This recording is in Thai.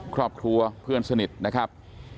ครอบครัวเพื่อนสนิทนะครับ